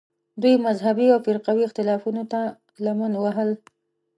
دوی مذهبي او فرقوي اختلافونو ته لمن وهل